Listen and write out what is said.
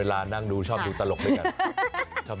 นั่งดูชอบดูตลกด้วยกัน